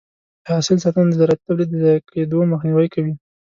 د حاصل ساتنه د زراعتي تولیداتو د ضایع کېدو مخنیوی کوي.